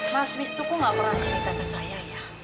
mas mistuku gak pernah cerita ke saya ya